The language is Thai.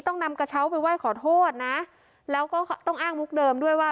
ต้องนำกระเช้าไปไหว้ขอโทษนะแล้วก็ต้องอ้างมุกเดิมด้วยว่า